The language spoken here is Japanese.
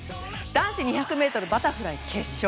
男子２００ｍバタフライ決勝。